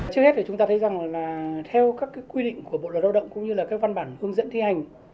trước hết là chúng ta thấy rằng là theo các quy định của bộ luật lao động cũng như là các văn bản hướng dẫn thi hành